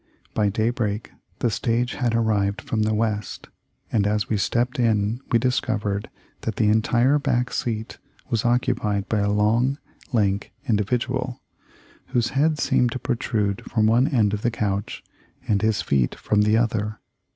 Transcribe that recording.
By daybreak the stage had arrived from the West, and as we stepped in we discovered that the entire back seat was occupied by a long, lank individual, whose head seemed to protrude from one end of the coach and his feet from the other.